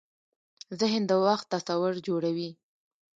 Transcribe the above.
ذهن د وخت تصور جوړوي.